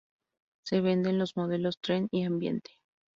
Se vende en los modelos Trend y Ambiente.